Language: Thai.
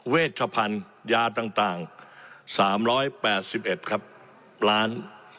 เวชพันธุ์ยาต่าง๓๘๑ครับล้าน